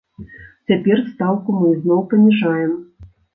Цяпер стаўку мы ізноў паніжаем.